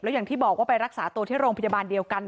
อย่างที่บอกว่าไปรักษาตัวที่โรงพยาบาลเดียวกัน